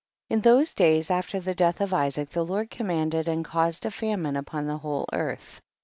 In those days, after the death of Isaac, the Lord commanded and caused a famine upon the whole earth.